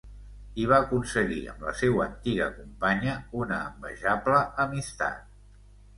I va aconseguir amb la seua antiga companya una envejable amistat.